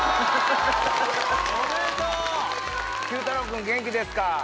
Ｑ太郎くん元気ですか？